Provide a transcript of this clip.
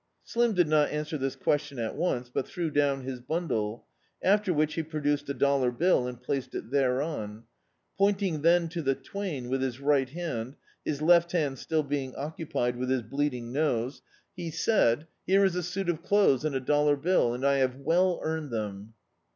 Slim did not answer this question at once, but threw down his bundle; after which he produced a dollar bill and placed it thereon. Pointing then to the twain with his right hand — his left hand still being occupied with his bleeding nose — he said, [>i3] D,i.,.db, Google The Autobiography of a Super Tramp "H«re is a suit of clothes and a dollar bill, and I have well earned them."